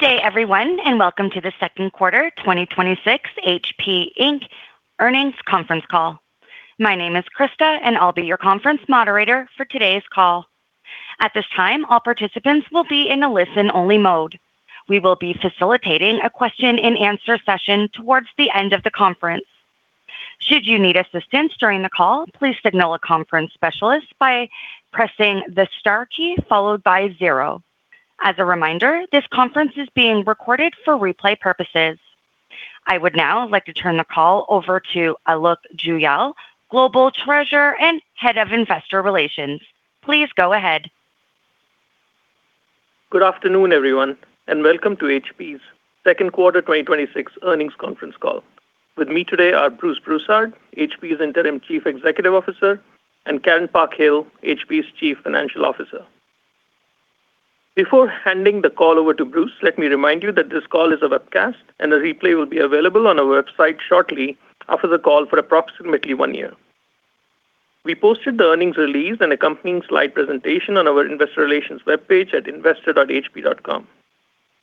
Good day everyone. Welcome to the second quarter 2026 HP Inc earnings conference call. My name is Krista and I'll be your conference moderator for today's call. At this time, all participants will be in a listen-only mode. We will be facilitating a question-and-answer session towards the end of the conference. Should you need assistance during the call, please signal a conference specialist by pressing the star key followed by zero. As a reminder, this conference is being recorded for replay purposes. I would now like to turn the call over to Alok Juyal, Global Treasurer and Head of Investor Relations. Please go ahead. Good afternoon, everyone, and welcome to HP's second quarter 2026 earnings conference call. With me today are Bruce Broussard, HP's Interim Chief Executive Officer, and Karen Parkhill, HP's Chief Financial Officer. Before handing the call over to Bruce, let me remind you that this call is a webcast, and a replay will be available on our website shortly after the call for approximately one year. We posted the earnings release and accompanying slide presentation on our investor relations webpage at investor.hp.com.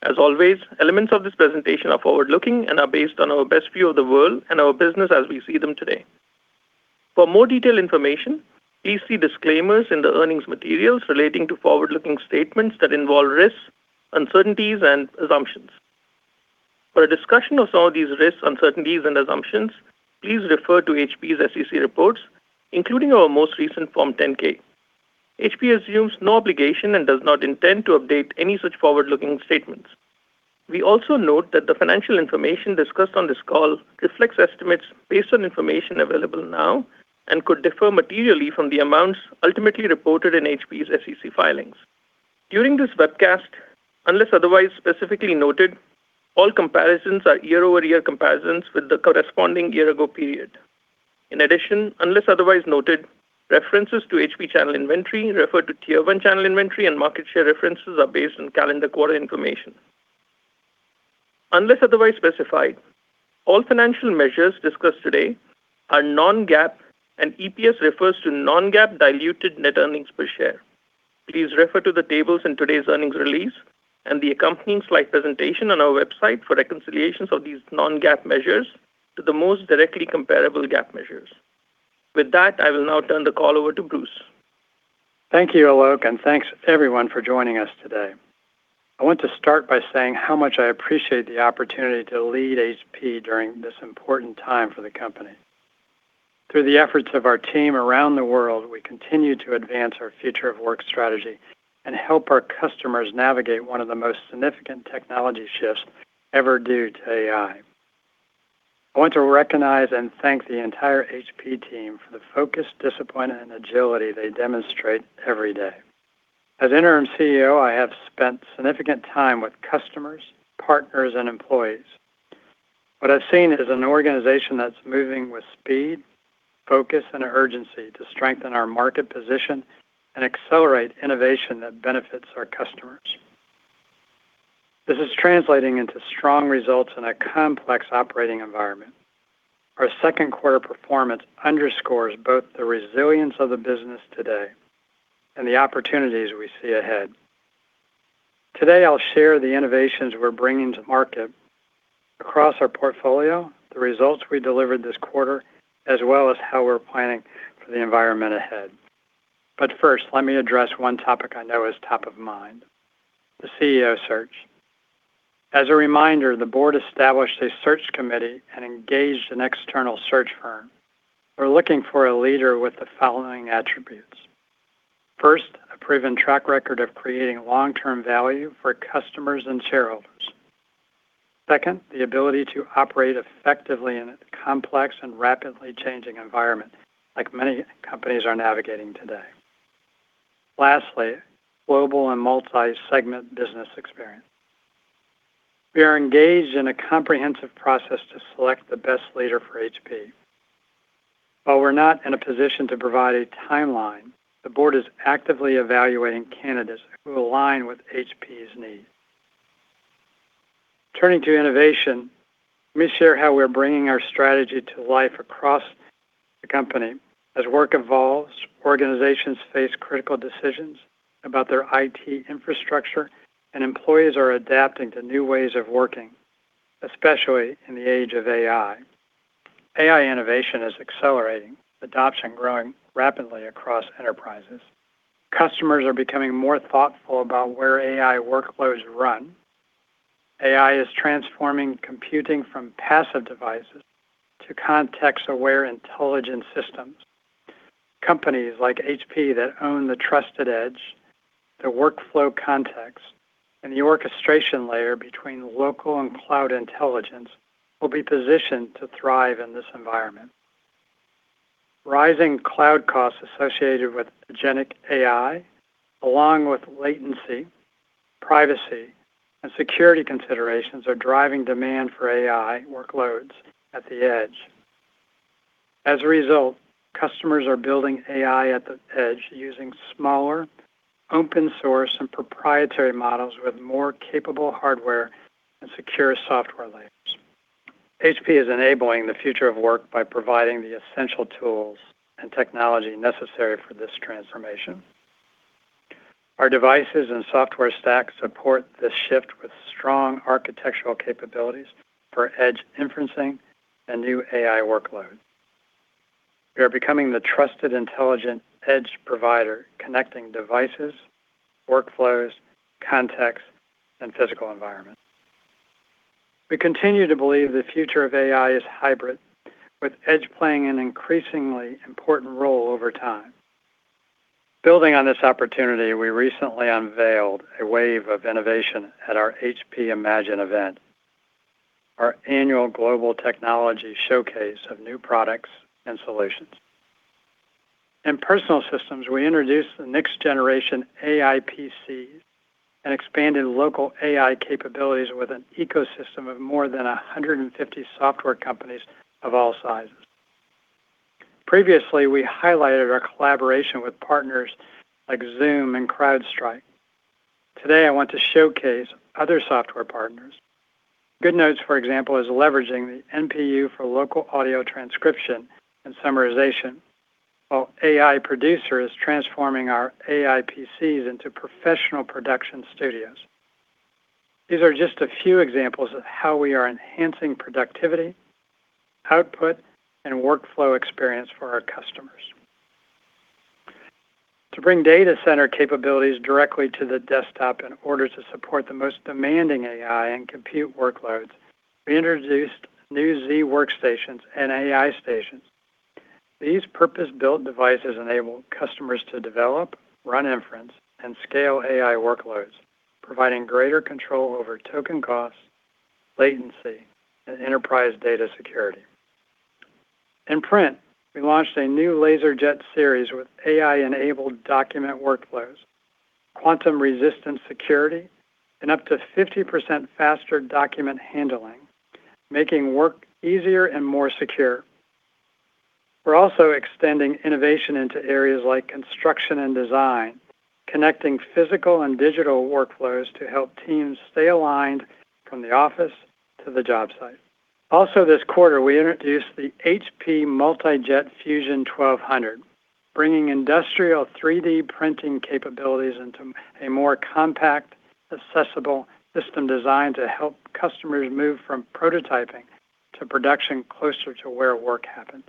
As always, elements of this presentation are forward-looking and are based on our best view of the world and our business as we see them today. For more detailed information, please see disclaimers in the earnings materials relating to forward-looking statements that involve risks, uncertainties and assumptions. For a discussion of some of these risks, uncertainties, and assumptions, please refer to HP's SEC reports, including our most recent Form 10-K. HP assumes no obligation and does not intend to update any such forward-looking statements. We also note that the financial information discussed on this call reflects estimates based on information available now and could differ materially from the amounts ultimately reported in HP's SEC filings. During this webcast, unless otherwise specifically noted, all comparisons are year-over-year comparisons with the corresponding year-ago period. In addition, unless otherwise noted, references to HP channel inventory refer to Tier 1 channel inventory and market share references are based on calendar quarter information. Unless otherwise specified, all financial measures discussed today are non-GAAP, and EPS refers to non-GAAP diluted net earnings per share. Please refer to the tables in today's earnings release and the accompanying slide presentation on our website for reconciliations of these non-GAAP measures to the most directly comparable GAAP measures. With that, I will now turn the call over to Bruce. Thank you, Alok, and thanks everyone for joining us today. I want to start by saying how much I appreciate the opportunity to lead HP during this important time for the company. Through the efforts of our team around the world, we continue to advance our future of work strategy and help our customers navigate one of the most significant technology shifts ever due to AI. I want to recognize and thank the entire HP team for the focus, discipline, and agility they demonstrate every day. As interim CEO, I have spent significant time with customers, partners, and employees. What I've seen is an organization that's moving with speed, focus, and urgency to strengthen our market position and accelerate innovation that benefits our customers. This is translating into strong results in a complex operating environment. Our second quarter performance underscores both the resilience of the business today and the opportunities we see ahead. Today, I'll share the innovations we're bringing to market across our portfolio, the results we delivered this quarter, as well as how we're planning for the environment ahead. First, let me address one topic I know is top of mind, the CEO search. As a reminder, the board established a search committee and engaged an external search firm. We're looking for a leader with the following attributes. First, a proven track record of creating long-term value for customers and shareholders. Second, the ability to operate effectively in a complex and rapidly changing environment, like many companies are navigating today. Lastly, global and multi-segment business experience. We are engaged in a comprehensive process to select the best leader for HP. While we're not in a position to provide a timeline, the board is actively evaluating candidates who align with HP's needs. Turning to innovation, let me share how we're bringing our strategy to life across the company. As work evolves, organizations face critical decisions about their IT infrastructure, and employees are adapting to new ways of working, especially in the age of AI. AI innovation is accelerating, adoption growing rapidly across enterprises. Customers are becoming more thoughtful about where AI workloads run. AI is transforming computing from passive devices to context-aware intelligent systems. Companies like HP that own the trusted edge, the workflow context, and the orchestration layer between local and cloud intelligence will be positioned to thrive in this environment. Rising cloud costs associated with agentic AI, along with latency, privacy, and security considerations, are driving demand for AI workloads at the edge. As a result, customers are building AI at the edge using smaller open source and proprietary models with more capable hardware and secure software layers. HP is enabling the future of work by providing the essential tools and technology necessary for this transformation. Our devices and software stack support this shift with strong architectural capabilities for edge inferencing and new AI workload. We are becoming the trusted intelligent edge provider, connecting devices, workflows, contexts, and physical environment. We continue to believe the future of AI is hybrid, with edge playing an increasingly important role over time. Building on this opportunity, we recently unveiled a wave of innovation at our HP Imagine event, our annual global technology showcase of new products and solutions. In Personal Systems, we introduced the next generation AI PC and expanded local AI capabilities with an ecosystem of more than 150 software companies of all sizes. Previously, we highlighted our collaboration with partners like Zoom and CrowdStrike. Today, I want to showcase other software partners. GoodNotes, for example, is leveraging the NPU for local audio transcription and summarization, while AI Producer is transforming our AI PCs into professional production studios. These are just a few examples of how we are enhancing productivity, output, and workflow experience for our customers. To bring data center capabilities directly to the desktop in order to support the most demanding AI and compute workloads, we introduced new Z Workstations and AI Stations. These purpose-built devices enable customers to develop, run inference, and scale AI workloads, providing greater control over token costs, latency, and enterprise data security. In Print, we launched a new LaserJet series with AI-enabled document workflows, quantum-resistant security, and up to 50% faster document handling, making work easier and more secure. We're also extending innovation into areas like construction and design, connecting physical and digital workflows to help teams stay aligned from the office to the job site. This quarter, we introduced the HP Multi Jet Fusion 1200, bringing industrial 3D printing capabilities into a more compact, accessible system designed to help customers move from prototyping to production closer to where work happens.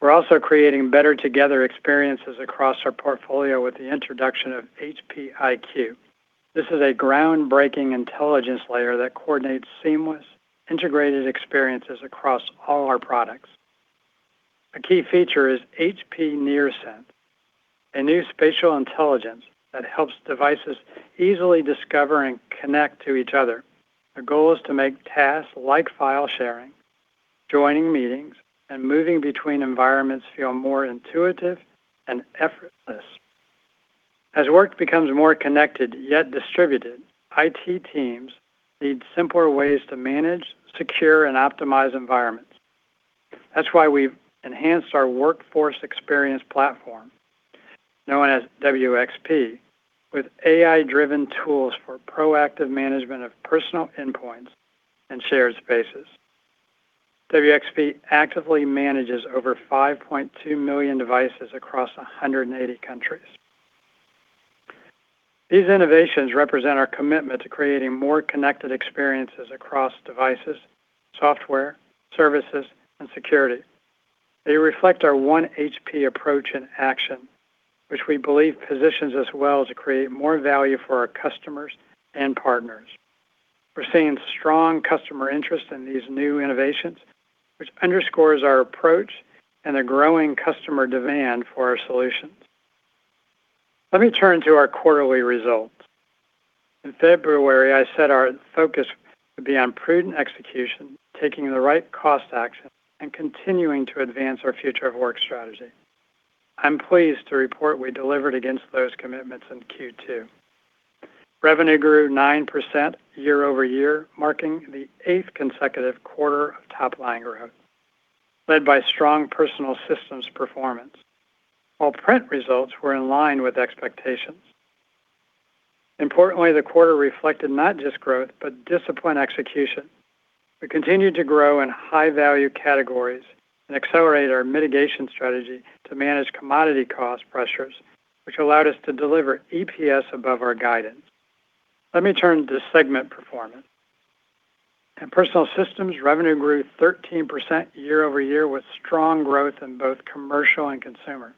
We're also creating better together experiences across our portfolio with the introduction of HP IQ. This is a groundbreaking intelligence layer that coordinates seamless, integrated experiences across all our products. A key feature is HP NearSense, a new spatial intelligence that helps devices easily discover and connect to each other. Our goal is to make tasks like file sharing, joining meetings, and moving between environments feel more intuitive and effortless. As work becomes more connected yet distributed, IT teams need simpler ways to manage, secure, and optimize environments. That's why we've enhanced our Workforce Experience Platform, known as WXP, with AI-driven tools for proactive management of personal endpoints and shared spaces. WXP actively manages over 5.2 million devices across 180 countries. These innovations represent our commitment to creating more connected experiences across devices, software, services, and security. They reflect our One HP approach in action, which we believe positions us well to create more value for our customers and partners. We're seeing strong customer interest in these new innovations, which underscores our approach and a growing customer demand for our solutions. Let me turn to our quarterly results. In February, I said our focus would be on prudent execution, taking the right cost action, and continuing to advance our future of work strategy. I'm pleased to report we delivered against those commitments in Q2. Revenue grew 9% year-over-year, marking the eighth consecutive quarter of top-line growth, led by strong Personal Systems performance, while Print results were in line with expectations. Importantly, the quarter reflected not just growth but disciplined execution. We continued to grow in high-value categories and accelerated our mitigation strategy to manage commodity cost pressures, which allowed us to deliver EPS above our guidance. Let me turn to segment performance. In Personal Systems, revenue grew 13% year-over-year with strong growth in both commercial and consumer.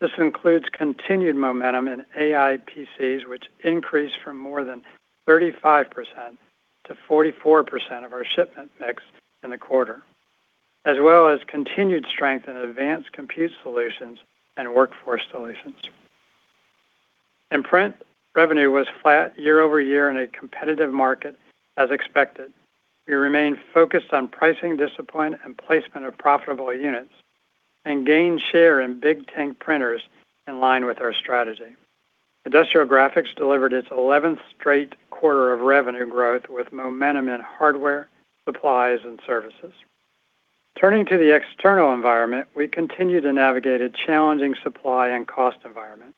This includes continued momentum in AI PCs, which increased from more than 35% to 44% of our shipment mix in the quarter, as well as continued strength in advanced compute solutions and workforce solutions. In Print, revenue was flat year-over-year in a competitive market as expected. We remain focused on pricing discipline and placement of profitable units and gain share in big tank printers in line with our strategy. Industrial Graphics delivered its 11th straight quarter of revenue growth with momentum in hardware, supplies, and services. Turning to the external environment, we continue to navigate a challenging supply and cost environment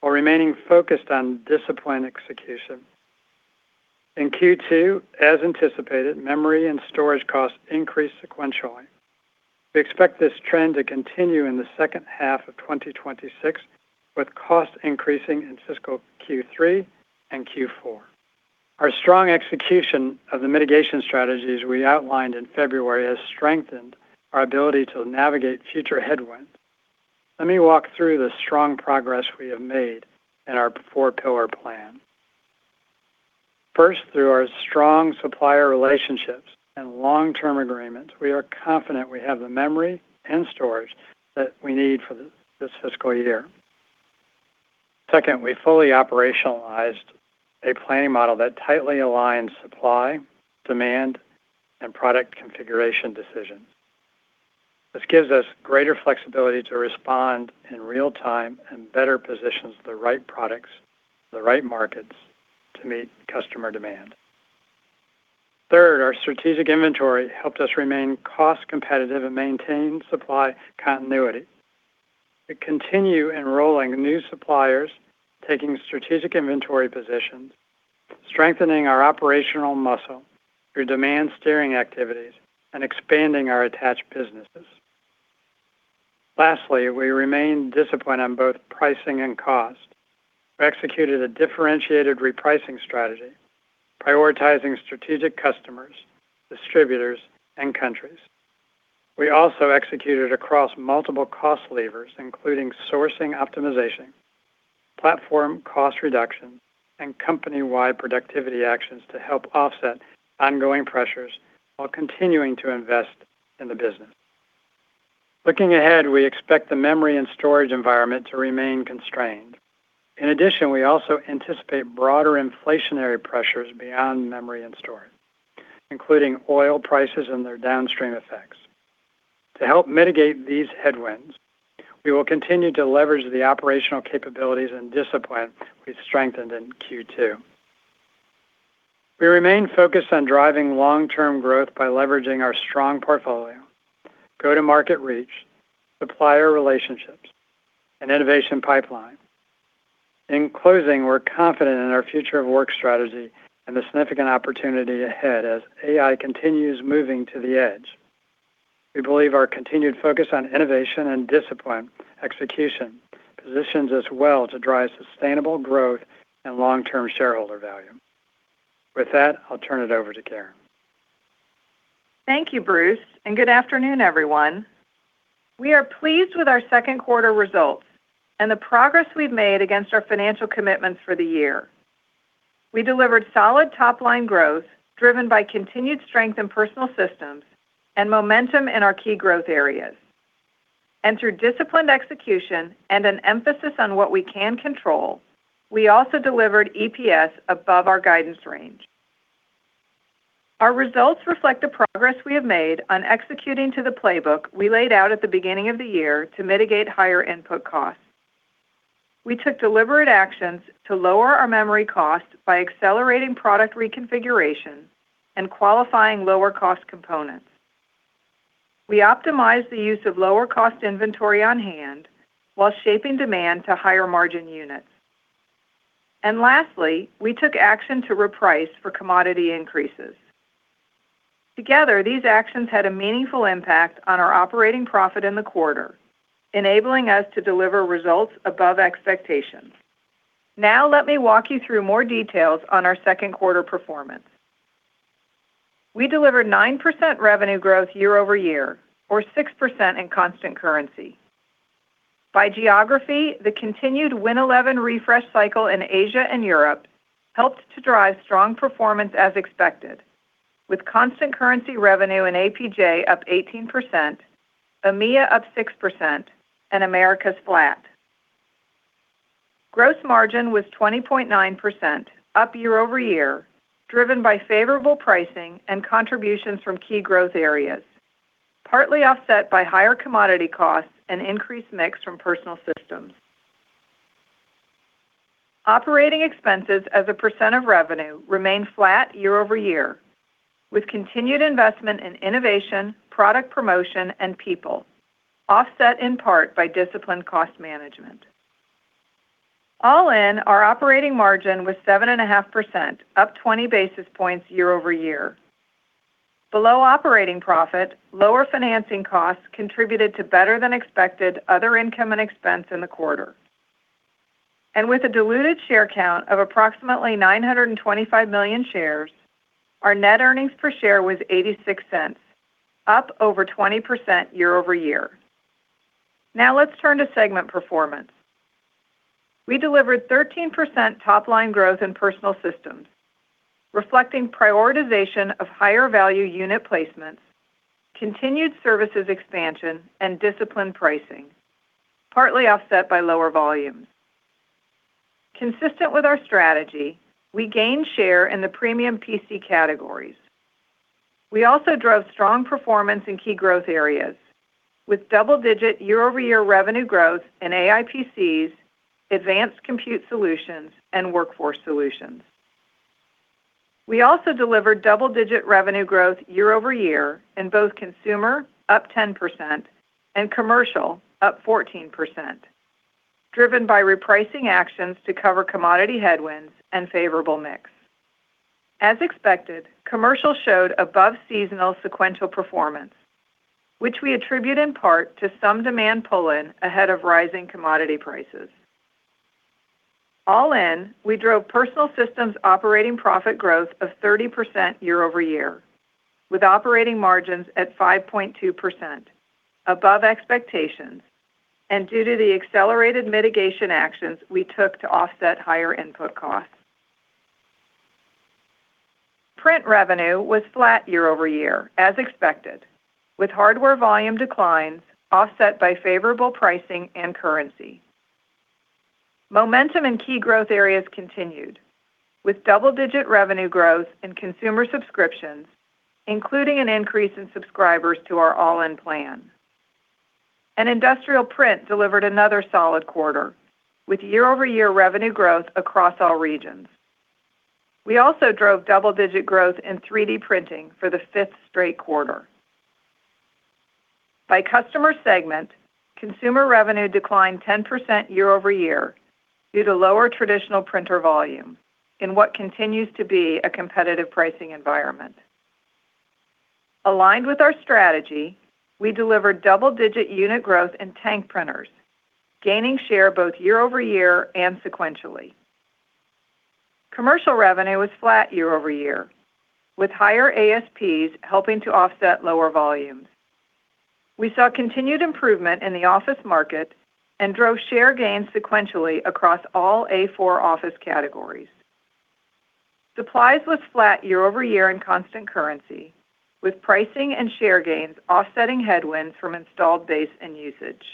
while remaining focused on disciplined execution. In Q2, as anticipated, memory and storage costs increased sequentially. We expect this trend to continue in the second half of 2026, with costs increasing in fiscal Q3 and Q4. Our strong execution of the mitigation strategies we outlined in February has strengthened our ability to navigate future headwinds. Let me walk through the strong progress we have made in our four-pillar plan. First, through our strong supplier relationships and long-term agreements, we are confident we have the memory and storage that we need for this fiscal year. Second, we fully operationalized a planning model that tightly aligns supply, demand, and product configuration decisions. This gives us greater flexibility to respond in real time and better positions the right products to the right markets to meet customer demand. Third, our strategic inventory helped us remain cost competitive and maintain supply continuity. We continue enrolling new suppliers, taking strategic inventory positions, strengthening our operational muscle through demand steering activities, and expanding our attached businesses. Lastly, we remain disciplined on both pricing and cost. We executed a differentiated repricing strategy, prioritizing strategic customers, distributors, and countries. We also executed across multiple cost levers, including sourcing optimization, platform cost reduction, and company-wide productivity actions to help offset ongoing pressures while continuing to invest in the business. Looking ahead, we expect the memory and storage environment to remain constrained. In addition, we also anticipate broader inflationary pressures beyond memory and storage, including oil prices and their downstream effects. To help mitigate these headwinds, we will continue to leverage the operational capabilities and discipline we've strengthened in Q2. We remain focused on driving long-term growth by leveraging our strong portfolio, go-to-market reach, supplier relationships, and innovation pipeline. In closing, we're confident in our future of work strategy and the significant opportunity ahead as AI continues moving to the edge. We believe our continued focus on innovation and disciplined execution positions us well to drive sustainable growth and long-term shareholder value. With that, I'll turn it over to Karen. Thank you, Bruce. Good afternoon, everyone. We are pleased with our second quarter results and the progress we've made against our financial commitments for the year. We delivered solid top-line growth driven by continued strength in Personal Systems and momentum in our key growth areas. Through disciplined execution and an emphasis on what we can control, we also delivered EPS above our guidance range. Our results reflect the progress we have made on executing to the playbook we laid out at the beginning of the year to mitigate higher input costs. We took deliberate actions to lower our memory costs by accelerating product reconfiguration and qualifying lower-cost components. We optimized the use of lower-cost inventory on-hand while shaping demand to higher-margin units. Lastly, we took action to reprice for commodity increases. Together, these actions had a meaningful impact on our operating profit in the quarter, enabling us to deliver results above expectations. Now let me walk you through more details on our second quarter performance. We delivered 9% revenue growth year-over-year or 6% in constant currency. By geography, the continued Windows 11 refresh cycle in Asia and Europe helped to drive strong performance as expected, with constant currency revenue in APJ up 18%, EMEA up 6%, and Americas flat. Gross margin was 20.9% up year-over-year, driven by favorable pricing and contributions from key growth areas, partly offset by higher commodity costs and increased mix from Personal Systems. Operating expenses as a percent of revenue remained flat year-over-year with continued investment in innovation, product promotion, and people, offset in part by disciplined cost management. All in, our operating margin was 7.5%, up 20 basis points year-over-year. Below operating profit, lower financing costs contributed to better than expected Other Income and Expense in the quarter. With a diluted share count of approximately 925 million shares, our net earnings per share was $0.86, up over 20% year-over-year. Now let's turn to segment performance. We delivered 13% top-line growth in Personal Systems, reflecting prioritization of higher value unit placements, continued services expansion, and disciplined pricing, partly offset by lower volumes. Consistent with our strategy, we gained share in the premium PC categories. We also drove strong performance in key growth areas with double-digit year-over-year revenue growth in AI PCs, advanced compute solutions, and workforce solutions. We also delivered double-digit revenue growth year-over-year in both consumer, up 10%, and commercial, up 14%, driven by repricing actions to cover commodity headwinds and favorable mix. As expected, commercial showed above-seasonal sequential performance, which we attribute in part to some demand pull-in ahead of rising commodity prices. All in, we drove Personal Systems operating profit growth of 30% year-over-year, with operating margins at 5.2%, above expectations and due to the accelerated mitigation actions we took to offset higher input costs. Print revenue was flat year-over-year, as expected, with hardware volume declines offset by favorable pricing and currency. Momentum in key growth areas continued, with double-digit revenue growth in consumer subscriptions, including an increase in subscribers to our All-In plan. Industrial Print delivered another solid quarter, with year-over-year revenue growth across all regions. We also drove double-digit growth in 3D printing for the fifth straight quarter. By customer segment, consumer revenue declined 10% year-over-year due to lower traditional printer volume in what continues to be a competitive pricing environment. Aligned with our strategy, we delivered double-digit unit growth in Tank printers, gaining share both year-over-year and sequentially. Commercial revenue was flat year-over-year, with higher ASPs helping to offset lower volumes. We saw continued improvement in the office market and drove share gains sequentially across all A4 office categories. Supplies was flat year-over-year in constant currency, with pricing and share gains offsetting headwinds from installed base and usage.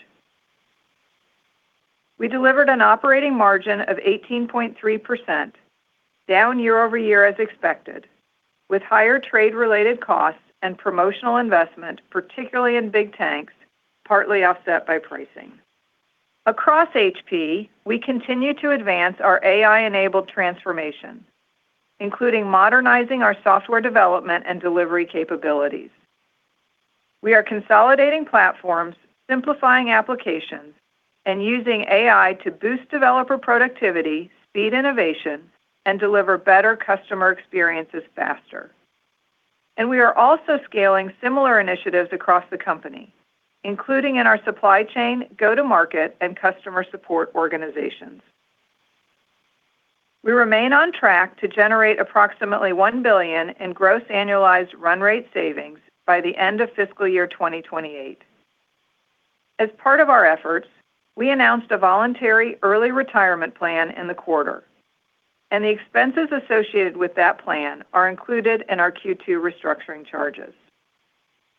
We delivered an operating margin of 18.3%, down year-over-year as expected, with higher trade-related costs and promotional investment, particularly in Smart Tanks, partly offset by pricing. Across HP, we continue to advance our AI-enabled transformation, including modernizing our software development and delivery capabilities. We are consolidating platforms, simplifying applications, and using AI to boost developer productivity, speed innovation, and deliver better customer experiences faster. We are also scaling similar initiatives across the company, including in our supply chain, go-to-market, and customer support organizations. We remain on track to generate approximately $1 billion in gross annualized run rate savings by the end of fiscal year 2028. As part of our efforts, we announced a voluntary early retirement plan in the quarter, and the expenses associated with that plan are included in our Q2 restructuring charges.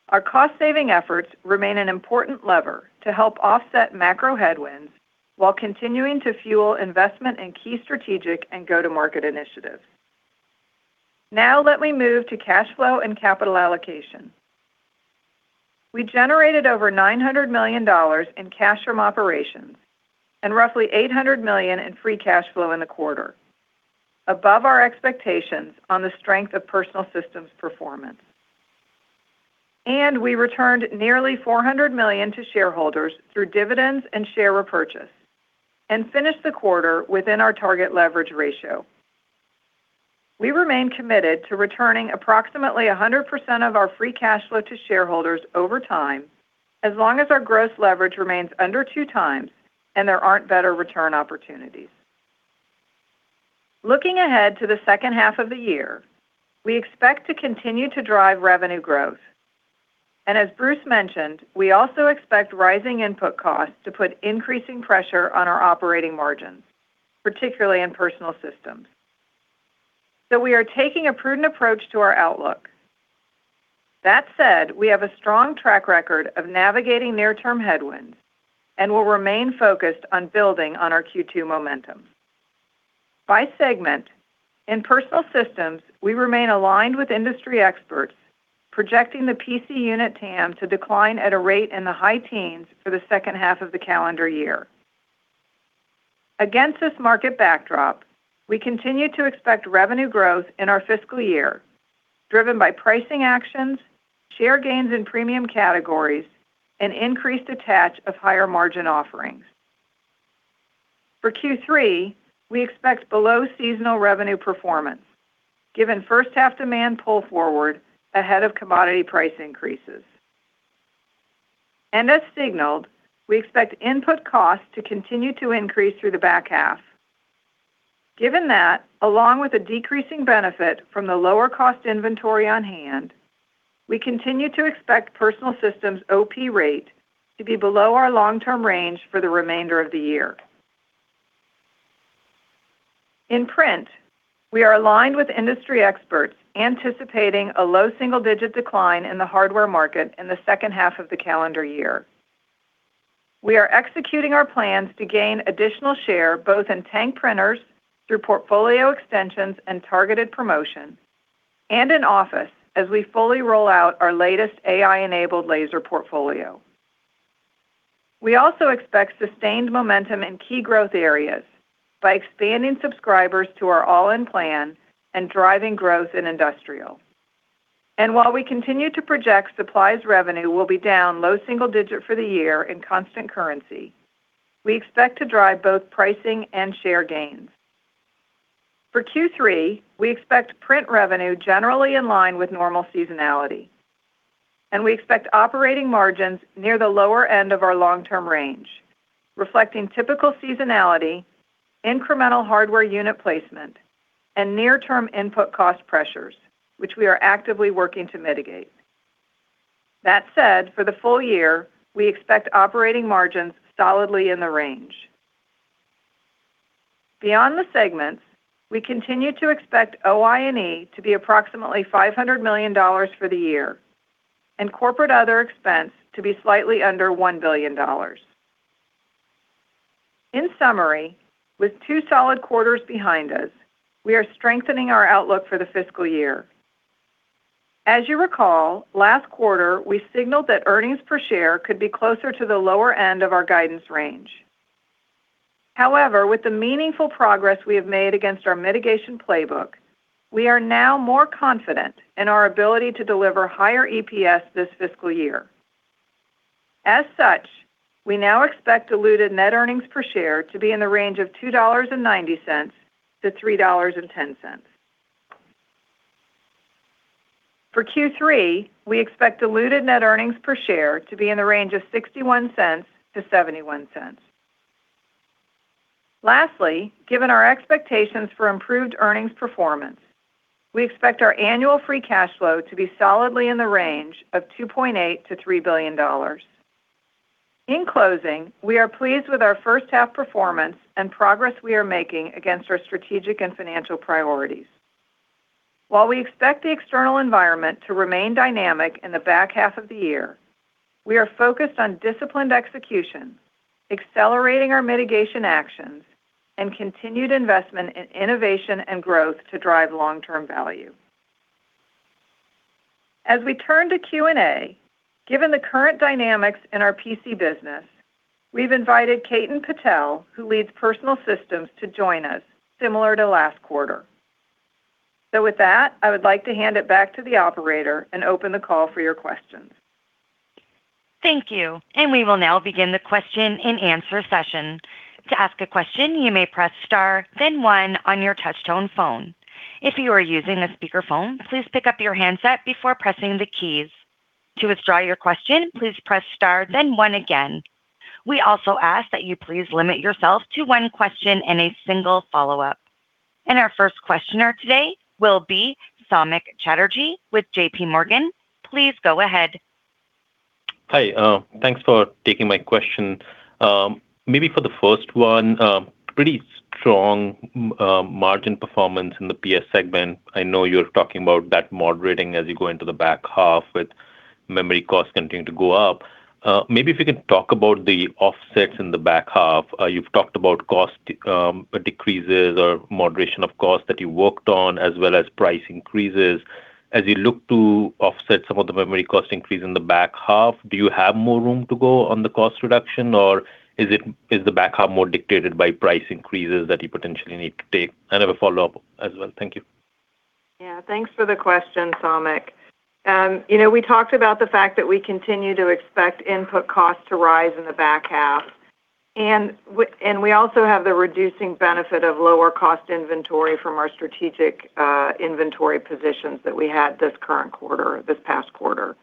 Our cost-saving efforts remain an important lever to help offset macro headwinds while continuing to fuel investment in key strategic and go-to-market initiatives. Let me move to cash flow and capital allocation. We generated over $900 million in cash from operations and roughly $800 million in free cash flow in the quarter, above our expectations on the strength of Personal Systems' performance. We returned nearly $400 million to shareholders through dividends and share repurchase and finished the quarter within our target leverage ratio. We remain committed to returning approximately 100% of our free cash flow to shareholders over time, as long as our gross leverage remains under two times and there aren't better return opportunities. Looking ahead to the second half of the year, we expect to continue to drive revenue growth. As Bruce mentioned, we also expect rising input costs to put increasing pressure on our operating margins, particularly in Personal Systems. We are taking a prudent approach to our outlook. That said, we have a strong track record of navigating near-term headwinds and will remain focused on building on our Q2 momentum. By segment, in Personal Systems, we remain aligned with industry experts, projecting the PC unit TAM to decline at a rate in the high teens for the second half of the calendar year. Against this market backdrop, we continue to expect revenue growth in our fiscal year, driven by pricing actions, share gains in premium categories, and increased attach of higher-margin offerings. For Q3, we expect below-seasonal revenue performance given first half demand pull forward ahead of commodity price increases. As signaled, we expect input costs to continue to increase through the back half. Given that, along with a decreasing benefit from the lower cost inventory on hand, we continue to expect Personal Systems OP rate to be below our long-term range for the remainder of the year. In Print, we are aligned with industry experts anticipating a low single-digit decline in the hardware market in the second half of the calendar year. We are executing our plans to gain additional share, both in Tank printers through portfolio extensions and targeted promotions, and in Office as we fully roll out our latest AI-enabled laser portfolio. We also expect sustained momentum in key growth areas by expanding subscribers to our HP All-In Plan and driving growth in Industrial. While we continue to project supplies revenue will be down low single-digit for the year in constant currency, we expect to drive both pricing and share gains. For Q3, we expect print revenue generally in line with normal seasonality, and we expect operating margins near the lower end of our long-term range, reflecting typical seasonality, incremental hardware unit placement, and near-term input cost pressures, which we are actively working to mitigate. That said, for the full year, we expect operating margins solidly in the range. Beyond the segments, we continue to expect OI&E to be approximately $500 million for the year and corporate other expense to be slightly under $1 billion. In summary, with two solid quarters behind us, we are strengthening our outlook for the fiscal year. As you recall, last quarter, we signaled that earnings per share could be closer to the lower end of our guidance range. However, with the meaningful progress we have made against our mitigation playbook, we are now more confident in our ability to deliver higher EPS this fiscal year. As such, we now expect diluted net earnings per share to be in the range of $2.90-$3.10. For Q3, we expect diluted net earnings per share to be in the range of $0.61-$0.71. Lastly, given our expectations for improved earnings performance, we expect our annual free cash flow to be solidly in the range of $2.8 billion-$3 billion. In closing, we are pleased with our first half performance and progress we are making against our strategic and financial priorities. While we expect the external environment to remain dynamic in the back half of the year, we are focused on disciplined execution, accelerating our mitigation actions, and continued investment in innovation and growth to drive long-term value. As we turn to Q&A, given the current dynamics in our PC business, we've invited Ketan Patel, who leads Personal Systems, to join us, similar to last quarter. With that, I would like to hand it back to the operator and open the call for your questions. Thank you. We will now begin the question-and-answer session. To ask a question, you may press star, then one on your touch-tone phone. If you are using a speakerphone, please pick up your handset before pressing the keys. To withdraw your question, please press star, then one again. We also ask that you please limit yourself to one question and a single follow-up. Our first questioner today will be Samik Chatterjee with JPMorgan. Please go ahead. Hi. Thanks for taking my question. Maybe for the first one, pretty strong margin performance in the PS segment. I know you're talking about that moderating as you go into the back half with memory costs continuing to go up. Maybe if you can talk about the offsets in the back half. You've talked about cost decreases or moderation of cost that you worked on, as well as price increases. As you look to offset some of the memory cost increase in the back half, do you have more room to go on the cost reduction, or is the back half more dictated by price increases that you potentially need to take? I have a follow-up as well. Thank you. Thanks for the question, Samik. We talked about the fact that we continue to expect input costs to rise in the back half, and we also have the reducing benefit of lower cost inventory from our strategic inventory positions that we had this past quarter.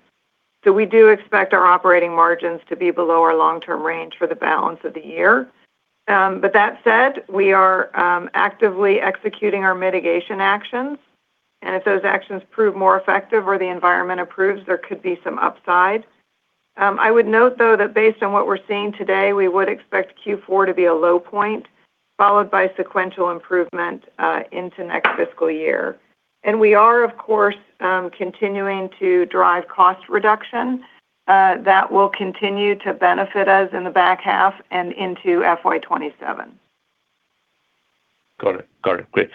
We do expect our operating margins to be below our long-term range for the balance of the year. That said, we are actively executing our mitigation actions, and if those actions prove more effective or the environment improves, there could be some upside. I would note, though, that based on what we're seeing today, we would expect Q4 to be a low point, followed by sequential improvement into next fiscal year. We are, of course, continuing to drive cost reduction. That will continue to benefit us in the back half and into FY 2027. Got it. Great.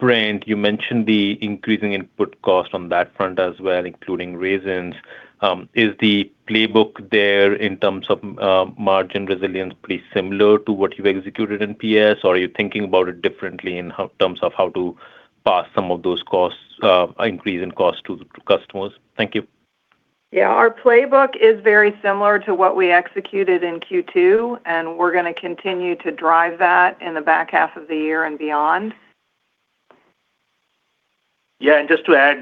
Maybe on Print, you mentioned the increasing input cost on that front as well, including resins. Is the playbook there in terms of margin resilience pretty similar to what you've executed in PS, or are you thinking about it differently in terms of how to pass some of those increasing costs to customers? Thank you. Yeah, our playbook is very similar to what we executed in Q2, and we're going to continue to drive that in the back half of the year and beyond. Yeah, just to add,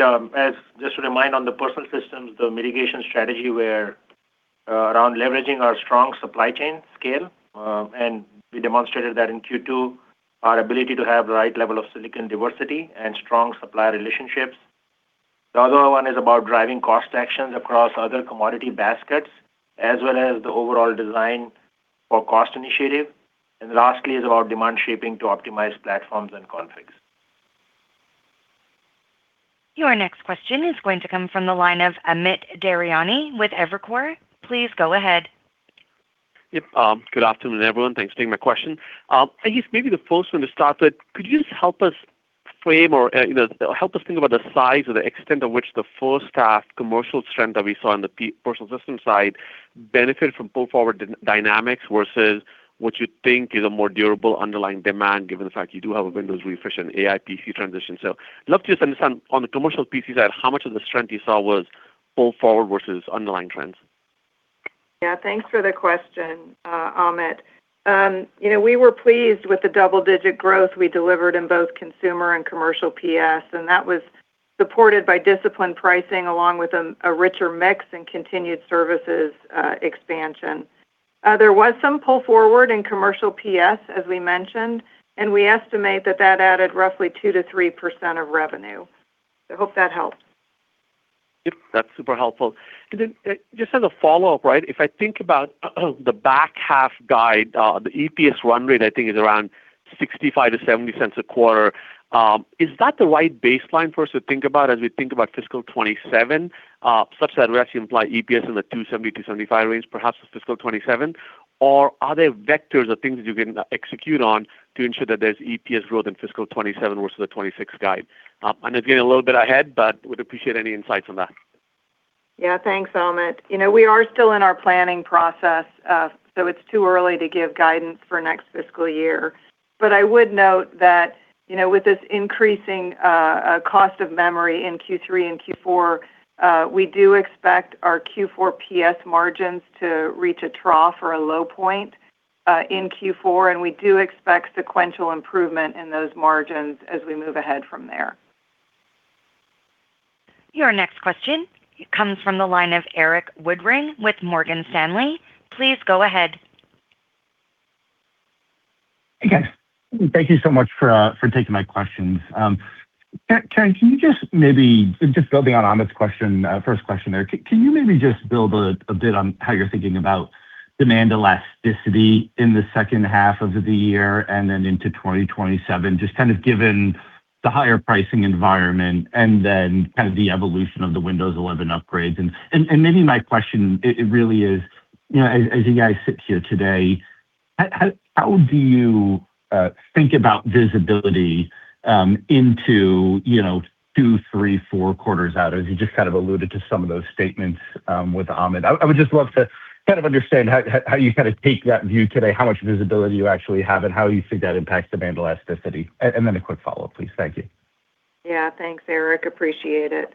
just a reminder on the Personal Systems, the mitigation strategy was around leveraging our strong supply chain scale, we demonstrated that in Q2, our ability to have the right level of silicon diversity and strong supply relationships. The other one is about driving cost actions across other commodity baskets, as well as the overall design for cost initiative. Lastly is about demand shaping to optimize platforms and configs. Your next question is going to come from the line of Amit Daryanani with Evercore. Please go ahead. Yep. Good afternoon, everyone. Thanks for taking my question. I guess maybe the first one to start with, could you just help us frame or help us think about the size or the extent of which the first staff commercial strength that we saw on the Personal Systems side benefited from pull forward dynamics versus what you think is a more durable underlying demand, given the fact you do have a Windows refresh and AI PC transition. I'd love to just understand on the commercial PC side, how much of the strength you saw was pull forward versus underlying trends? Yeah. Thanks for the question, Amit. We were pleased with the double-digit growth we delivered in both consumer and commercial PS, and that was supported by disciplined pricing along with a richer mix and continued services expansion. There was some pull forward in commercial PS, as we mentioned, and we estimate that that added roughly 2%-3% of revenue. I hope that helps. Yep. That's super helpful. Just as a follow-up, if I think about the back half guide, the EPS run rate, I think is around $0.65-$0.70 a quarter. Is that the right baseline for us to think about as we think about fiscal 2027, such that we're actually implying EPS in the $2.70-$2.75 range perhaps for fiscal 2027? Are there vectors or things that you can execute on to ensure that there's EPS growth in fiscal 2027 versus the 2026 guide? I know it's getting a little bit ahead, but would appreciate any insights on that. Yeah. Thanks, Amit. We are still in our planning process, so it's too early to give guidance for next fiscal year. I would note that, with this increasing cost of memory in Q3 and Q4, we do expect our Q4 PS margins to reach a trough or a low point, in Q4, and we do expect sequential improvement in those margins as we move ahead from there. Your next question comes from the line of Erik Woodring with Morgan Stanley. Please go ahead. Hey, guys. Thank you so much for taking my questions. Karen, just building on Amit's first question there, can you maybe just build a bit on how you're thinking about demand elasticity in the second half of the year and then into 2027, just kind of given the higher pricing environment and then the evolution of the Windows 11 upgrades. Maybe my question, it really is, as you guys sit here today, how do you think about visibility into two, three, four quarters out, as you just kind of alluded to some of those statements with Amit. I would just love to kind of understand how you take that view today, how much visibility you actually have, and how you think that impacts demand elasticity. A quick follow-up, please. Thank you. Thanks, Erik. Appreciate it.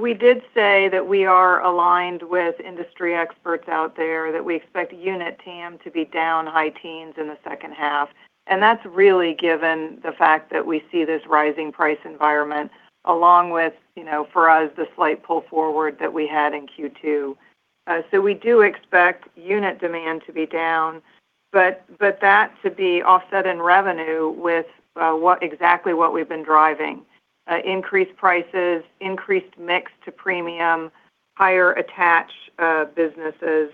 We did say that we are aligned with industry experts out there, that we expect unit TAM to be down high teens in the second half, and that's really given the fact that we see this rising price environment along with, for us, the slight pull forward that we had in Q2. We do expect unit demand to be down, but that to be offset in revenue with exactly what we've been driving: increased prices, increased mix to premium, higher attach businesses,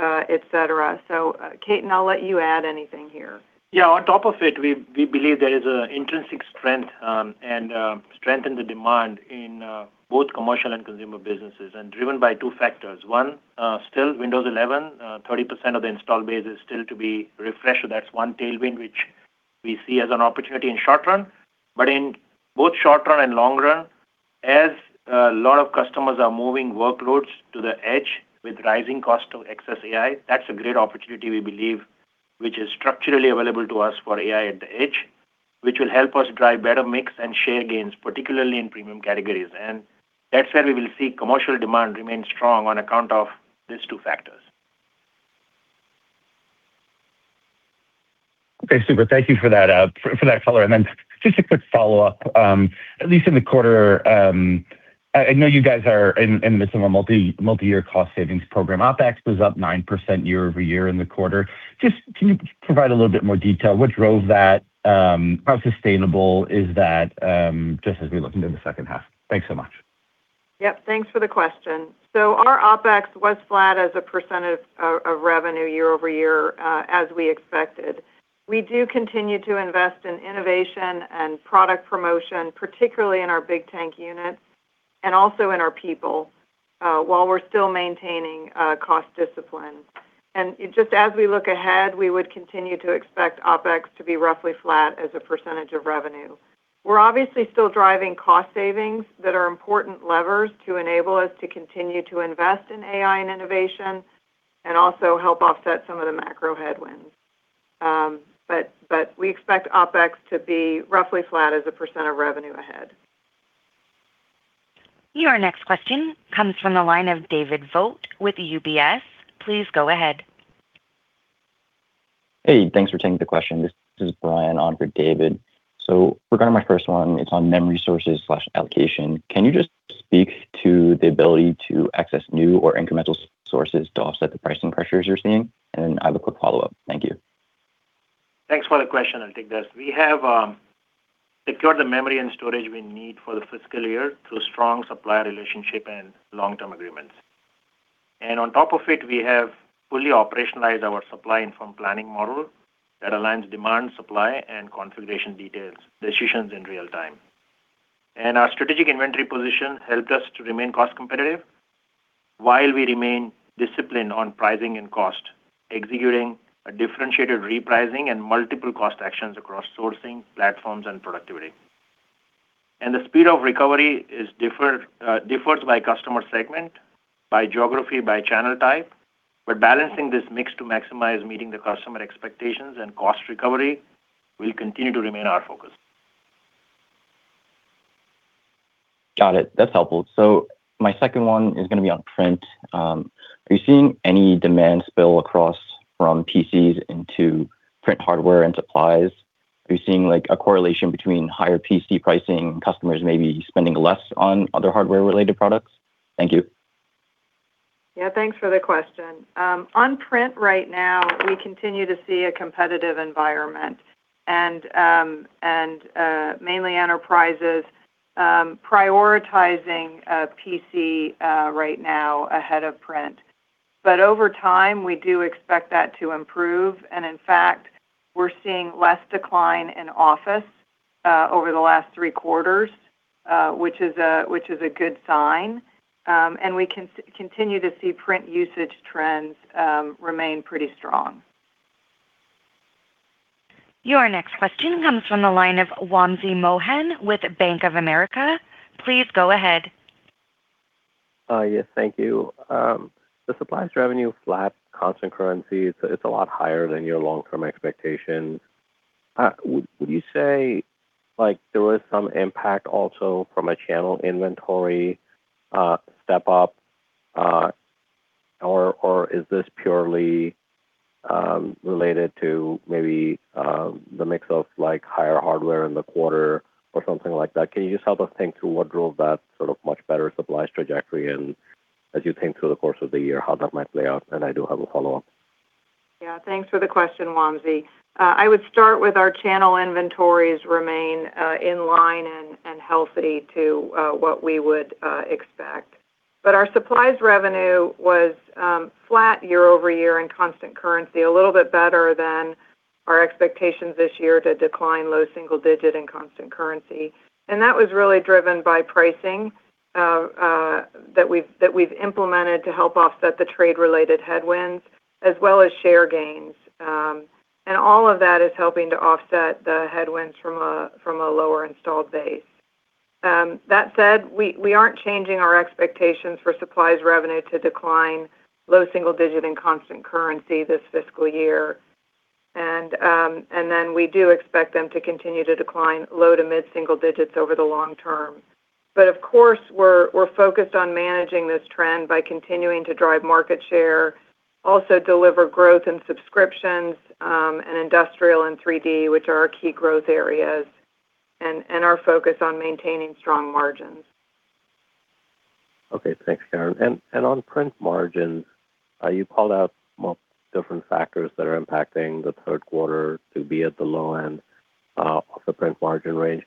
et cetera. Ketan, I'll let you add anything here. On top of it, we believe there is an intrinsic strength and strength in the demand in both commercial and consumer businesses, and driven by two factors. One, still Windows 11, 30% of the install base is still to be refreshed. That's one tailwind which we see as an opportunity in short run. In both short run and long run, as a lot of customers are moving workloads to the edge with rising cost of excess AI, that's a great opportunity, we believe, which is structurally available to us for AI at the edge, which will help us drive better mix and share gains, particularly in premium categories. That's where we will see commercial demand remain strong on account of these two factors. Okay. Super. Thank you for that follow-up. Just a quick follow-up. At least in the quarter, I know you guys are in the midst of a multi-year cost savings program. OpEx was up 9% year-over-year in the quarter. Just can you provide a little bit more detail? What drove that? How sustainable is that, just as we look into the second half? Thanks so much. Yep. Thanks for the question. Our OpEx was flat as a percentage of revenue year-over-year, as we expected. We do continue to invest in innovation and product promotion, particularly in our big tank units and also in our people, while we're still maintaining cost discipline. Just as we look ahead, we would continue to expect OpEx to be roughly flat as a percentage of revenue. We're obviously still driving cost savings that are important levers to enable us to continue to invest in AI and innovation and also help offset some of the macro headwinds. We expect OpEx to be roughly flat as a percentage of revenue ahead. Your next question comes from the line of David Vogt with UBS. Please go ahead. Hey, thanks for taking the question. This is Brian on for David. Regarding my first one, it's on memory sources/allocation. Can you just speak to the ability to access new or incremental sources to offset the pricing pressures you're seeing? Then I have a quick follow-up. Thank you. Thanks for the question, I'll take that. We have secured the memory and storage we need for the fiscal year through a strong supplier relationship and long-term agreements. On top of it, we have fully operationalized our supply and form planning model that aligns demand, supply, and configuration decisions in real time. Our strategic inventory position helped us to remain cost competitive while we remain disciplined on pricing and cost, executing a differentiated repricing and multiple cost actions across sourcing, platforms, and productivity. The speed of recovery differs by customer segment, by geography, by channel type. We're balancing this mix to maximize meeting the customer expectations, and cost recovery will continue to remain our focus. Got it. That's helpful. My second one is going to be on print. Are you seeing any demand spill across from PCs into print hardware and supplies? Are you seeing a correlation between higher PC pricing, customers maybe spending less on other hardware-related products? Thank you. Yeah, thanks for the question. On print right now, we continue to see a competitive environment, mainly enterprises prioritizing PC right now ahead of print. Over time, we do expect that to improve, and in fact, we're seeing less decline in Office over the last three quarters, which is a good sign. We continue to see print usage trends remain pretty strong. Your next question comes from the line of Wamsi Mohan with Bank of America. Please go ahead. Yes. Thank you. The supplies revenue flat constant currency, it's a lot higher than your long-term expectations. Would you say there was some impact also from a channel inventory step-up? Is this purely related to maybe the mix of higher hardware in the quarter or something like that? Can you just help us think through what drove that much better supplies trajectory, and as you think through the course of the year, how that might play out? I do have a follow-up. Thanks for the question, Wamsi. I would start with our channel inventories remain in line and healthy to what we would expect. Our supplies revenue was flat year-over-year in constant currency, a little bit better than our expectations this year to decline low single digit in constant currency. That was really driven by pricing that we've implemented to help offset the trade-related headwinds as well as share gains. All of that is helping to offset the headwinds from a lower installed base. That said, we aren't changing our expectations for supplies revenue to decline low single digit in constant currency this fiscal year. Then we do expect them to continue to decline low to mid single digits over the long term. Of course, we're focused on managing this trend by continuing to drive market share, also deliver growth in subscriptions, and Industrial and 3D, which are our key growth areas, and our focus on maintaining strong margins. Okay. Thanks, Karen. On print margins, you called out multiple different factors that are impacting the third quarter to be at the low end of the print margin range.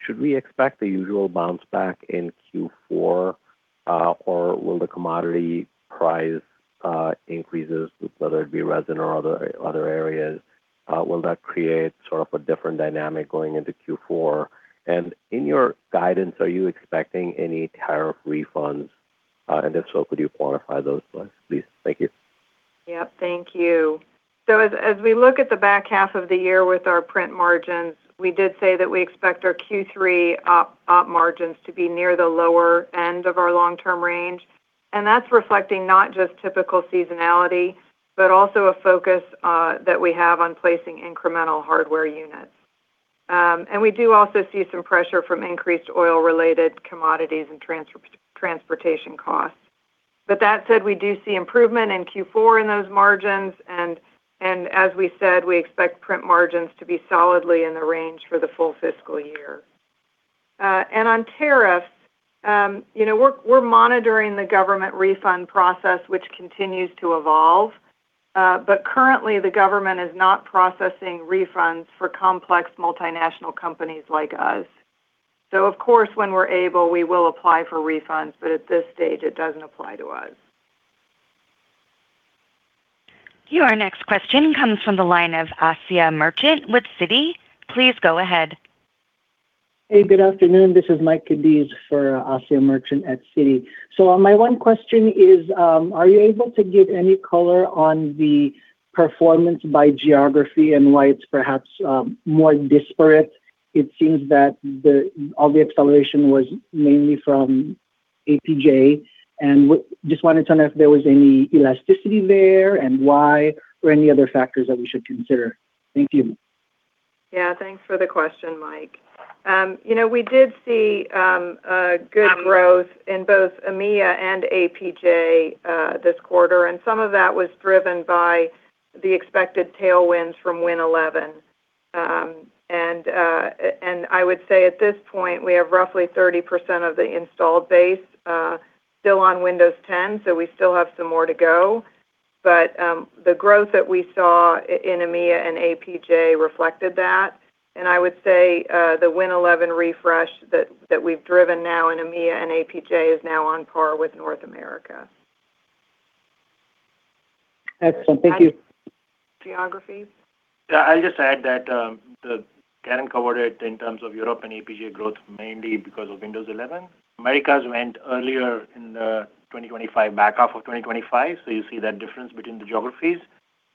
Should we expect the usual bounce back in Q4? Will the commodity price increases, whether it be resin or other areas, will that create sort of a different dynamic going into Q4? In your guidance, are you expecting any tariff refunds? If so, could you quantify those for us, please? Thank you. Yeah. Thank you. As we look at the back half of the year with our print margins, we did say that we expect our Q3 OP margins to be near the lower end of our long-term range. That's reflecting not just typical seasonality, but also a focus that we have on placing incremental hardware units. We do also see some pressure from increased oil-related commodities and transportation costs. That said, we do see improvement in Q4 in those margins, and as we said, we expect print margins to be solidly in the range for the full fiscal year. On tariffs, we're monitoring the government refund process, which continues to evolve. Currently, the government is not processing refunds for complex multinational companies like us. Of course, when we're able, we will apply for refunds. At this stage, it doesn't apply to us. Your next question comes from the line of Asiya Merchant with Citi. Please go ahead. Hey, good afternoon. This is Mike Cadiz for Asiya Merchant at Citi. My one question is, are you able to give any color on the performance by geography and why it's perhaps more disparate? It seems that all the acceleration was mainly from APJ, and just wanted to know if there was any elasticity there and why, or any other factors that we should consider. Thank you. Thanks for the question, Mike. We did see good growth in both EMEA and APJ this quarter. Some of that was driven by the expected tailwinds from Windows 11. I would say at this point, we have roughly 30% of the installed base still on Windows 10. We still have some more to go. The growth that we saw in EMEA and APJ reflected that. I would say the Windows 11 refresh that we've driven now in EMEA and APJ is now on par with North America. Excellent. Thank you. Geographies? Yeah, I'll just add that Karen covered it in terms of Europe and APJ growth, mainly because of Windows 11. Americas went earlier in the 2025 back half of 2025, so you see that difference between the geographies.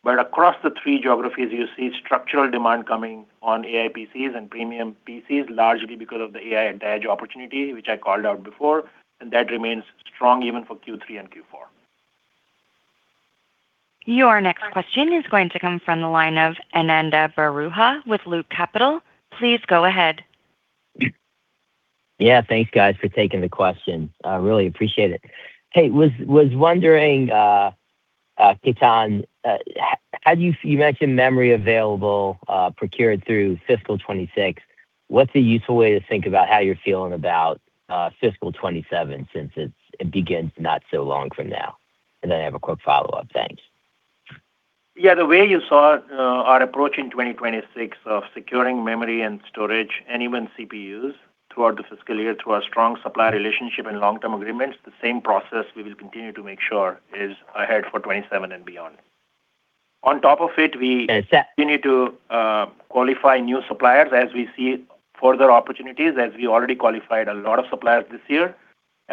Across the three geographies, you see structural demand coming on AI PCs and premium PCs, largely because of the AI at the edge opportunity, which I called out before. That remains strong even for Q3 and Q4. Your next question is going to come from the line of Ananda Baruah with Loop Capital. Please go ahead. Yeah. Thanks, guys, for taking the question. I really appreciate it. Hey, was wondering, Ketan, you mentioned memory available, procured through fiscal 2026. What's a useful way to think about how you're feeling about fiscal 2027, since it begins not so long from now? I have a quick follow-up. Thanks. Yeah. The way you saw our approach in 2026 of securing memory and storage and even CPUs throughout the fiscal year through our strong supply relationship and long-term agreements, the same process we will continue to make sure is ahead for 2027 and beyond. On top of it we need to continue to qualify new suppliers as we see further opportunities, as we already qualified a lot of suppliers this year.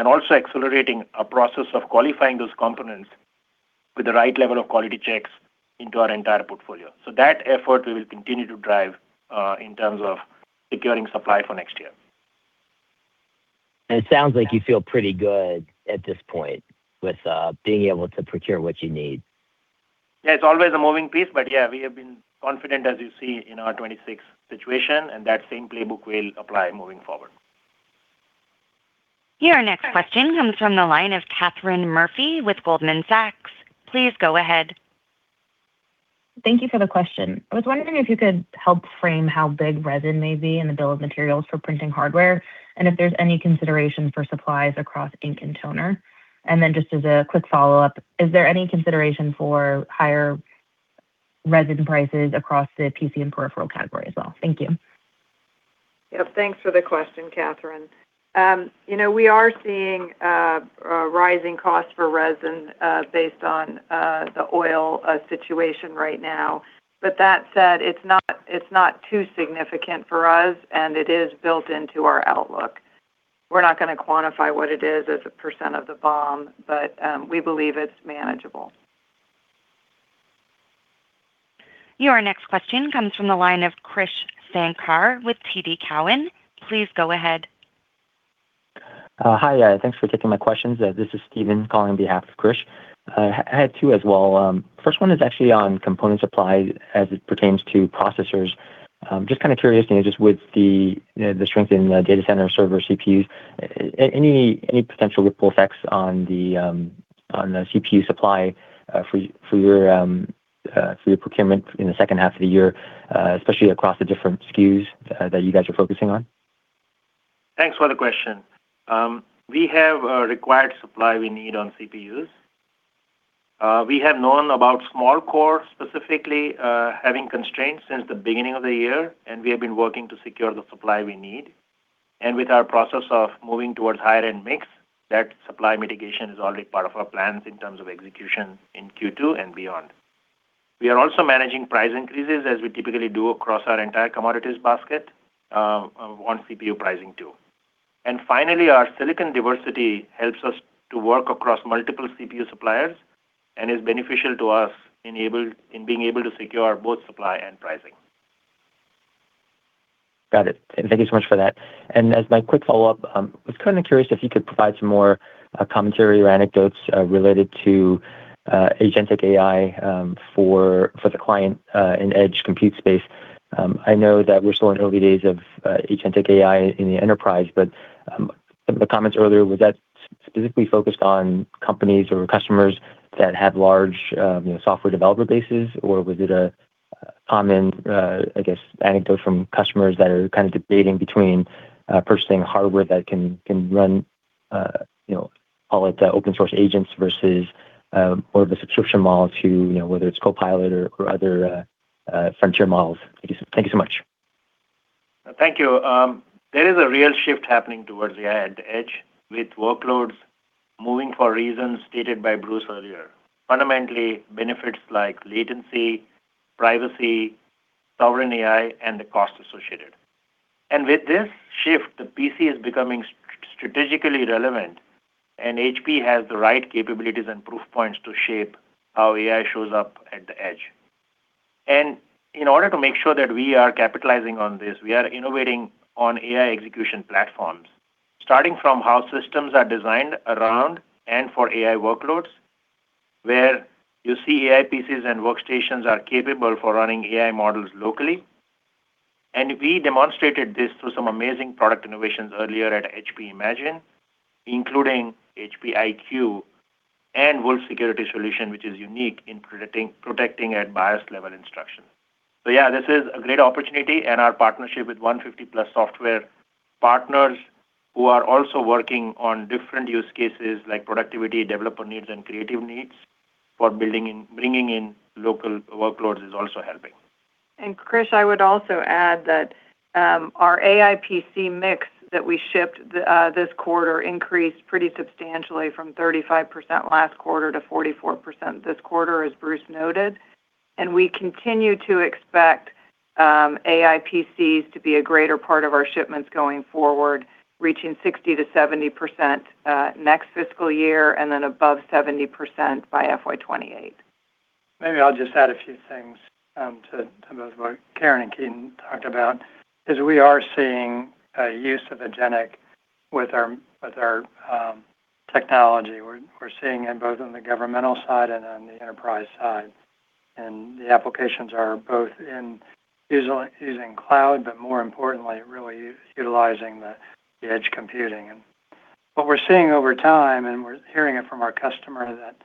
Also accelerating our process of qualifying those components with the right level of quality checks into our entire portfolio. That effort, we will continue to drive in terms of securing supply for next year. It sounds like you feel pretty good at this point with being able to procure what you need. Yeah, it's always a moving piece, but yeah, we have been confident as you see in our 2026 situation, and that same playbook will apply moving forward. Your next question comes from the line of Katherine Murphy with Goldman Sachs. Please go ahead. Thank you for the question. I was wondering if you could help frame how big resin may be in the bill of materials for printing hardware, and if there's any consideration for supplies across ink and toner. Just as a quick follow-up, is there any consideration for higher resin prices across the PC and peripheral category as well? Thank you. Yep. Thanks for the question, Katherine. We are seeing a rising cost for resin based on the oil situation right now. That said, it's not too significant for us, and it is built into our outlook. We're not going to quantify what it is as a percent of the BOM, but we believe it's manageable. Your next question comes from the line of Krish Sankar with TD Cowen. Please go ahead. Hi. Thanks for taking my questions. This is Steven calling on behalf of Krish. I had two as well. First one is actually on component supply as it pertains to processors. Just kind of curious, just with the strength in the data center server CPUs, any potential ripple effects on the CPU supply for your procurement in the second half of the year, especially across the different SKUs that you guys are focusing on? Thanks for the question. We have a required supply we need on CPUs. We have known about small core specifically, having constraints since the beginning of the year, and we have been working to secure the supply we need. With our process of moving towards higher-end mix, that supply mitigation is already part of our plans in terms of execution in Q2 and beyond. We are also managing price increases as we typically do across our entire commodities basket on CPU pricing too. Finally, our silicon diversity helps us to work across multiple CPU suppliers and is beneficial to us in being able to secure both supply and pricing. Got it. Thank you so much for that. As my quick follow-up, I was kind of curious if you could provide some more commentary or anecdotes related to agentic AI for the client in edge compute space. I know that we're still in early days of agentic AI in the enterprise, but some of the comments earlier, was that specifically focused on companies or customers that had large software developer bases, or was it a common anecdote from customers that are kind of debating between purchasing hardware that can run all the open source agents versus, or the subscription model to, whether it's Copilot or other frontier models. Thank you so much. Thank you. There is a real shift happening towards the AI at the edge with workloads moving for reasons stated by Bruce earlier, fundamentally, benefits like latency, privacy, sovereign AI, and the cost associated. With this shift, the PC is becoming strategically relevant, and HP has the right capabilities and proof points to shape how AI shows up at the edge. In order to make sure that we are capitalizing on this, we are innovating on AI execution platforms, starting from how systems are designed around and for AI workloads, where you see AI PCs and workstations are capable for running AI models locally. We demonstrated this through some amazing product innovations earlier at HP Imagine, including HP IQ and Wolf Security solution, which is unique in protecting at BIOS level instruction. Yeah, this is a great opportunity and our partnership with 150 plus software partners who are also working on different use cases like productivity, developer needs, and creative needs for bringing in local workloads is also helping. Krish, I would also add that our AI PC mix that we shipped this quarter increased pretty substantially from 35% last quarter to 44% this quarter, as Bruce noted. We continue to expect AI PCs to be a greater part of our shipments going forward, reaching 60%-70% next fiscal year, and then above 70% by FY 2028. Maybe I'll just add a few things to both what Karen and Ketan talked about, is we are seeing a use of agentic with our technology. We're seeing it both on the governmental side and on the enterprise side. The applications are both in using cloud, but more importantly, really utilizing the edge computing. What we're seeing over time, and we're hearing it from our customer, that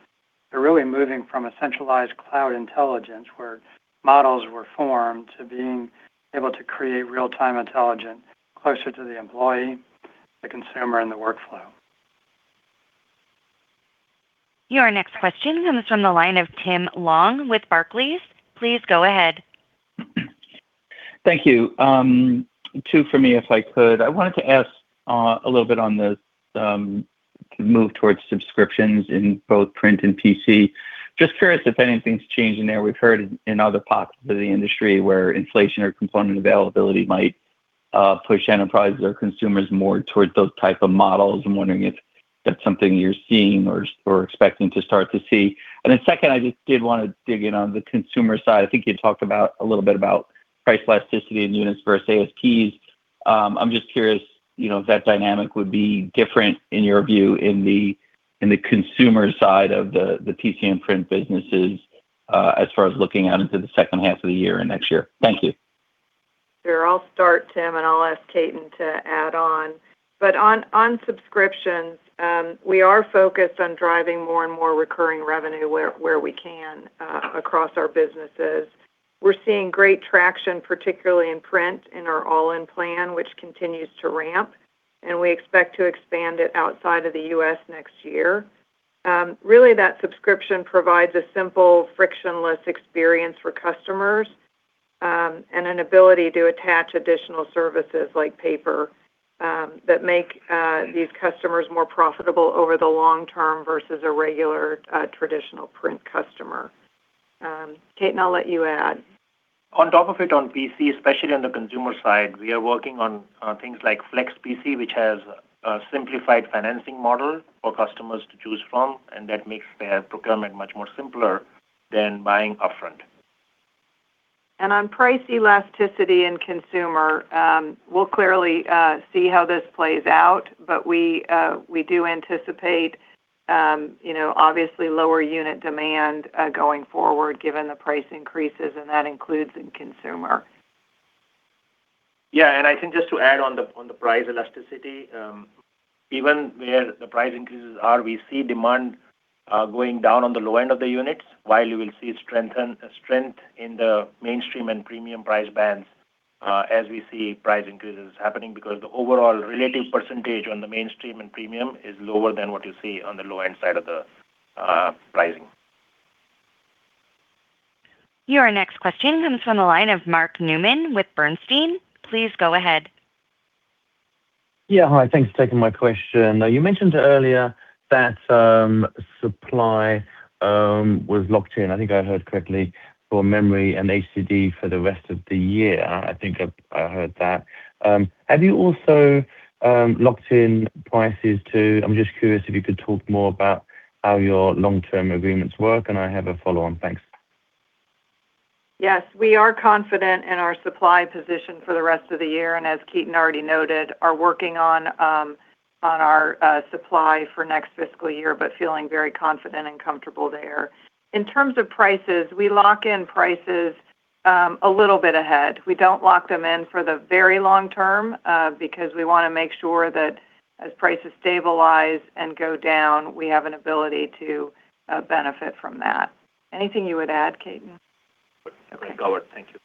they're really moving from a centralized cloud intelligence where models were formed, to being able to create real-time intelligence closer to the employee, the consumer, and the workflow. Your next question comes from the line of Tim Long with Barclays. Please go ahead. Thank you. Two for me, if I could. I wanted to ask a little bit on the move towards subscriptions in both Print and PC. Just curious if anything's changing there. We've heard in other pockets of the industry where inflation or component availability might push enterprises or consumers more towards those type of models. I'm wondering if that's something you're seeing or expecting to start to see. Second, I just did want to dig in on the consumer side. I think you talked a little bit about price elasticity and units versus ASPs. I'm just curious if that dynamic would be different, in your view, in the consumer side of the PC and Print businesses, as far as looking out into the second half of the year and next year. Thank you. Sure. I'll start, Tim, and I'll ask Ketan to add on. On subscriptions, we are focused on driving more and more recurring revenue where we can across our businesses. We're seeing great traction, particularly in Print and our HP All-In Plan, which continues to ramp, and we expect to expand it outside of the U.S. next year. That subscription provides a simple, frictionless experience for customers, and an ability to attach additional services like paper, that make these customers more profitable over the long term versus a regular traditional Print customer. Ketan, I'll let you add. On top of it on PC, especially on the consumer side, we are working on things like Flex PC, which has a simplified financing model for customers to choose from, and that makes their procurement much more simpler than buying upfront. On price elasticity and consumer, we'll clearly see how this plays out, but we do anticipate obviously lower unit demand going forward, given the price increases, and that includes in consumer. Yeah, I think just to add on the price elasticity, even where the price increases are, we see demand going down on the low end of the units, while you will see strength in the mainstream and premium price bands as we see price increases happening. The overall relative percentage on the mainstream and premium is lower than what you see on the low-end side of the pricing. Your next question comes from the line of Mark Newman with Bernstein. Please go ahead. Yeah. Hi, thanks for taking my question. You mentioned earlier that supply was locked in, I think I heard correctly, for memory and HDD for the rest of the year. I think I heard that. Have you also locked in prices too? I'm just curious if you could talk more about how your long-term agreements work. I have a follow-on. Thanks. Yes. We are confident in our supply position for the rest of the year, and as Ketan already noted, are working on our supply for next fiscal year, but feeling very confident and comfortable there. In terms of prices, we lock in prices a little bit ahead. We don't lock them in for the very long term, because we want to make sure that as prices stabilize and go down, we have an ability to benefit from that. Anything you would add, Ketan? No. Go on. Thank you.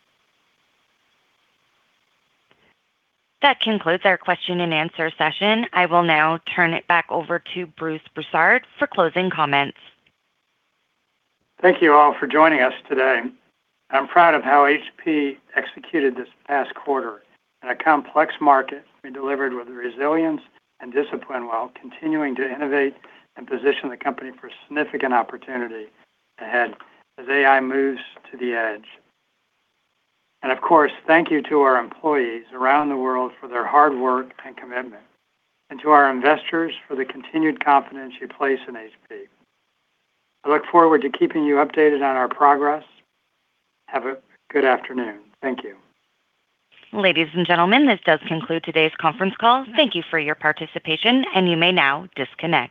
That concludes our question and answer session. I will now turn it back over to Bruce Broussard for closing comments. Thank you all for joining us today. I'm proud of how HP executed this past quarter. In a complex market, we delivered with resilience and discipline while continuing to innovate and position the company for significant opportunity ahead as AI moves to the edge. Of course, thank you to our employees around the world for their hard work and commitment, and to our investors for the continued confidence you place in HP. I look forward to keeping you updated on our progress. Have a good afternoon. Thank you. Ladies and gentlemen, this does conclude today's conference call. Thank you for your participation, you may now disconnect.